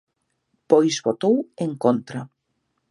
Pois votou en contra.